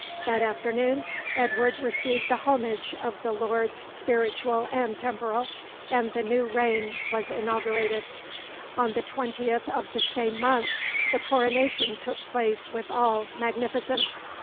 That afternoon Edward received the homage of the Lords spiritual and temporal, and the new reign was inaugurated. On the 20th of the same month the coronation took place with all magnificence.